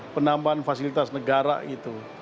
penambahan fasilitas negara itu